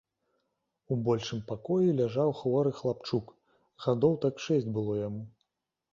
У большым пакоі ляжаў хворы хлапчук, гадоў так шэсць было яму.